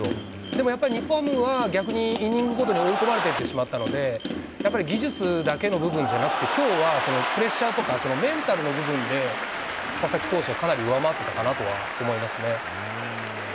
でもやっぱ日本ハムは、逆にイニングごとに追い込まれていってしまったので、やっぱり技術だけの部分じゃなくて、きょうはプレッシャーとかメンタルの部分で、佐々木投手はかなり上回ってたかなとは思いますね。